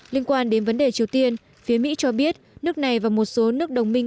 liên quan đến vấn đề triều tiên phía mỹ cho biết nước này và một số nước đồng minh